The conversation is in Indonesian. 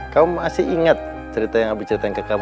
kamu masih ingat cerita yang abi ceritain ke kamu